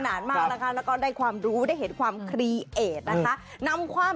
ไม่ต้องห่วงว่าเราจะคืนงานค่ะ